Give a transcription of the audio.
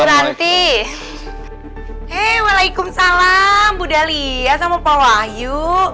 hei walaikum salam bu dalia sama pak wahyu